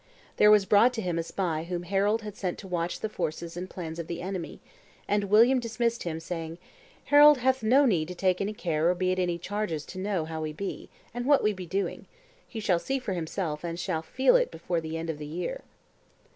There was brought to him a spy whom Harold had sent to watch the forces and plans of the enemy; and William dismissed him, saying, "Harold hath no need to take any care or be at any charges to know how we be, and what we be doing; he shall see for himself, and shall feel before the end of the year."